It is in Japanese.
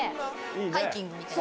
ハイキングみたいな。